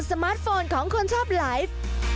มาร์ทโฟนของคนชอบไลฟ์